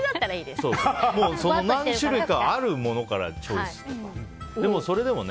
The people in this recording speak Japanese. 何種類かあるものからチョイスとかね。